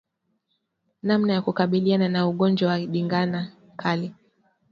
Namna ya kukabiliana na ugonjwa wa ndigana kali